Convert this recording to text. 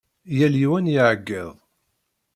Yal yiwen iɛeggeḍ.